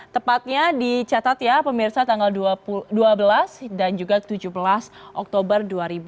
tepatnya dicatat ya pemirsa tanggal dua belas dan juga tujuh belas oktober dua ribu dua puluh